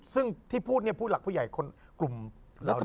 ซึ่งที่พูดผู้หลักผู้ใหญ่คนกลุ่มเหล่านี้